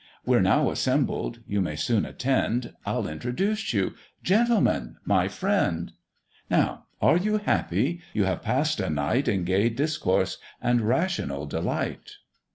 We're now assembled; you may soon attend I'll introduce you "Gentlemen, my friend." "Now are you happy? you have pass'd a night In gay discourse, and rational delight."